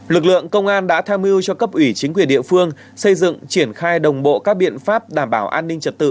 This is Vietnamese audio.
lực lượng công an đã tham mưu cho cấp ủy chính quyền địa phương xây dựng triển khai đồng bộ các biện pháp đảm bảo an ninh trật tự